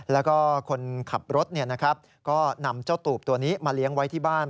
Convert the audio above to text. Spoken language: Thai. แล้วก็คนขับรถก็นำเจ้าตูบตัวนี้มาเลี้ยงไว้ที่บ้าน